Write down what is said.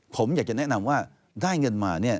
ผมอยากจะแนะนำว่าได้เงินมาเนี่ย